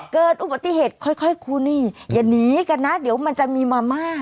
เกิดอุบัติเหตุค่อยคุณนี่อย่าหนีกันนะเดี๋ยวมันจะมีมาม่า